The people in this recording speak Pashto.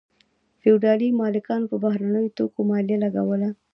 فیوډالي مالکانو په بهرنیو توکو مالیه لګوله.